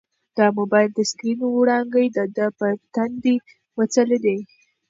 د موبایل د سکرین وړانګې د ده پر تندي وځلېدې.